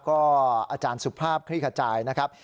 ก็อาจารย์สุภาพคลี่ขจายนะครับ